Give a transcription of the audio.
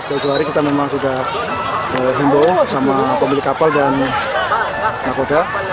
hari hari kita memang sudah hembo sama pemilik kapal dan nakoda